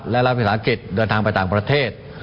และรัฐออกภาษาอังกฤษเดินทางไปต่างประเทศ